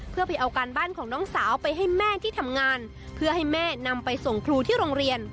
เพื่อไปเอาการบ้านของน้องสาวไปให้แม่ที่ทำงานเพื่อให้แม่นำไปส่งครูที่โรงเรียน